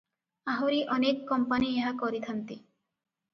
ଆହୁରି ଅନେକ କମ୍ପାନି ଏହା କରିଥାନ୍ତି ।